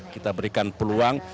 kita berikan peluang